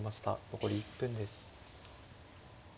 残り１分です。